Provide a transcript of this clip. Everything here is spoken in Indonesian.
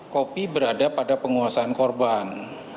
kopi berada pada penguasaan korban